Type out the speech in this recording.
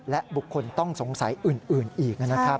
และบุคคลต้องสงสัยอื่นอีกนะครับ